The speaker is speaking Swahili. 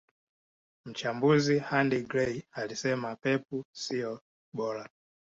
Mchambuzi Andy Gray alisema pep siyo bora